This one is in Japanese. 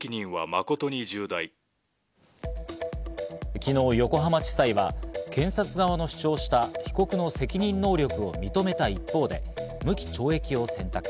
昨日、横浜地裁は検察側の主張をした被告の責任能力を認めた一方で、無期懲役を選択。